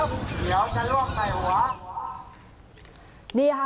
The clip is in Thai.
มันแกเอาเก็บไว้ดีดีครับเดี๋ยวจะล่วงใกล้หัว